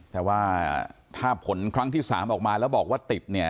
แต่ว่าถ้าผลครั้งที่๓ออกมาแล้วบอกว่าติดเนี่ย